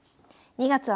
２月は